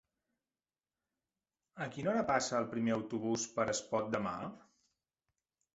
A quina hora passa el primer autobús per Espot demà?